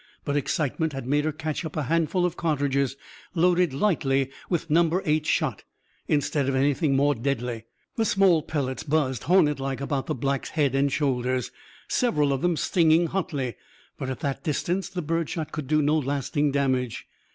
But excitement had made her catch up a handful of cartridges loaded lightly with Number Eight shot; instead of anything more deadly. The small pellets buzzed, hornetlike, about the Black's head and shoulders; several of them stinging hotly. But at that distance, the birdshot could do no lasting damage.